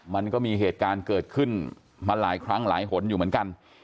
มันก็มีเหตุการณ์เกิดขึ้นมาหลายครั้งหลายหนอยู่เหมือนกัน